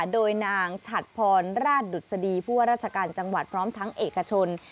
โดยนางฉัดพรราชดุษฎีผู้ว่าราชการจังหวัดพร้อมทั้งเอกชน